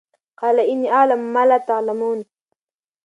قَالَ إِنِّىٓ أَعْلَمُ مَا لَا تَعْلَمُونَ